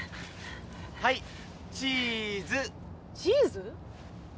はいチーズ！チーズ？